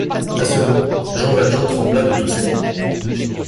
À ce mot, Jean Valjean trembla de tous ses membres.